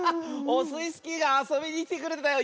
オスイスキーがあそびにきてくれたよ！